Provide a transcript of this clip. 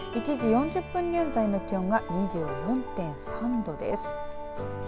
１時４０分現在の気温が２４．３度です。